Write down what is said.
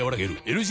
⁉ＬＧ